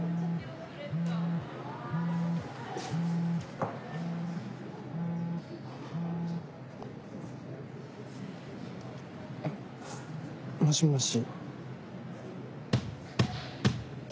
あっもしもし？